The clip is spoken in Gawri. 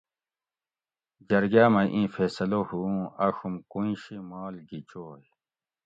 جرگاۤ مئ ایں فیصلہ ھو اُوں آڛوم کویٔیں شی مال گی چوئ